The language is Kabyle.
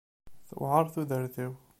Tewɛeṛ tudert-iw.